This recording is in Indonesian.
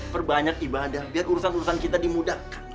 perbanyak ibadah biar urusan urusan kita dimudahkan